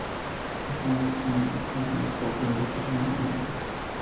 Estamos ante una de las giras más cortas en la carrera de Melendi.